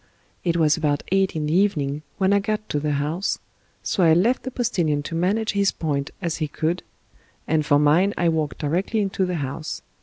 It was about eight in the evening when I got to the house, so I left the postilion to manage his point as he could, and for mine I walked directly into the house.